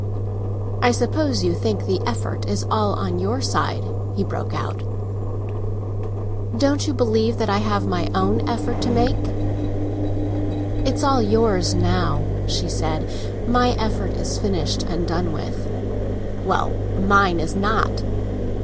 "I suppose you think the effort is all on your side!" he was reduced to exclaiming. "Don't you believe that I have my own effort to make?" "It's all yours now," she said. "My effort is finished and done with!" "Well, mine is not."